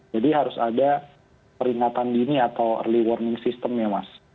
jadi harus ada peringatan dini atau early warning system ya mas